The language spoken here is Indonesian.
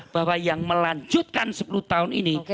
bahwa yang melanjutkan sepuluh tahun ini